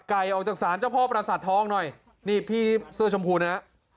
ออกจากศาลเจ้าพ่อประสาททองหน่อยนี่พี่เสื้อชมพูนะฮะ